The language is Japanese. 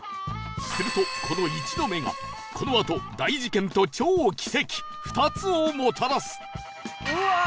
するとこの「１」の目がこのあと大事件と超奇跡２つをもたらす